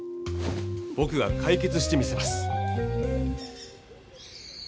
ぼくが解決してみせます。